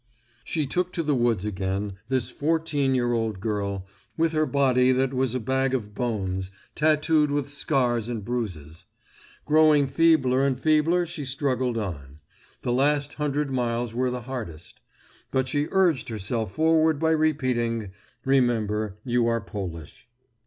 She took to the woods again, this fourteen year old girl, with her body that was a bag of hones, tattooed with scars and bruises. Growing feebler and feebler she struggled on. The last hundred miles were the hardest. But she urged herself forward by repeating, "Remember, you are Polish."